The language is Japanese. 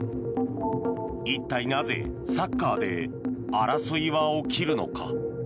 一体なぜサッカーで争いは起きるのか。